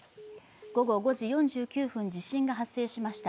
午後５時４９分、地震が発生しました。